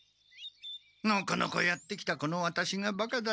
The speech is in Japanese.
のこのこやって来たこのワタシがバカだった。